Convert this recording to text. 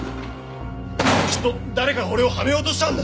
きっと誰かが俺をはめようとしたんだ。